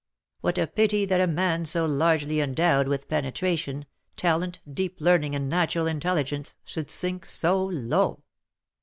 "What a pity that a man so largely endowed with penetration, talent, deep learning, and natural intelligence, should sink so low!"